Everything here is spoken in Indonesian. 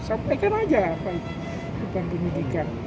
sampaikan aja apa itu bukan penyidikan